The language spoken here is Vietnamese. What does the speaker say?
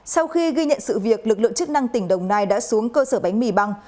sau khi ghi nhận sự việc lực lượng chức năng tỉnh đồng nai đã xuống cơ sở bánh mì băng